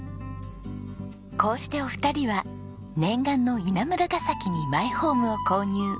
こうしてお二人は念願の稲村ガ崎にマイホームを購入。